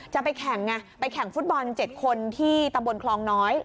จะไปแข่งฟุตบอล๗คนที่ตะบนคลองน้อย